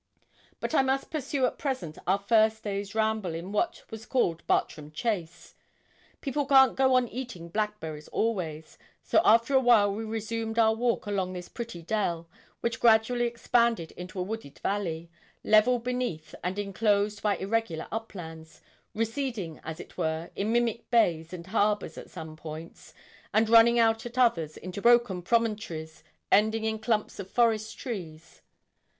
But I must pursue at present our first day's ramble in what was called Bartram Chase. People can't go on eating blackberries always; so after a while we resumed our walk along this pretty dell, which gradually expanded into a wooded valley level beneath and enclosed by irregular uplands, receding, as it were, in mimic bays and harbours at some points, and running out at others into broken promontories, ending in clumps of forest trees.